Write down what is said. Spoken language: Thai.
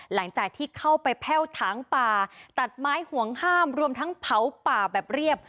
หลังจากที่เข้าไปแพ่วถางป่าตัดไม้ห่วงห้ามรวมทั้งเผาป่าแบบเรียบ